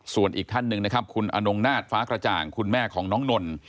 ส่วนอีกท่านหนึ่งนะครับคุณอนงนาฏฟ้ากระจ่างคุณแม่ของน้องนนท์